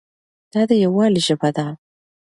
دا د یووالي ژبه ده.